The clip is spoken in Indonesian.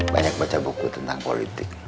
banyak baca buku tentang politik